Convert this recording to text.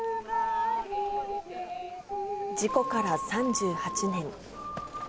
事故から３８年。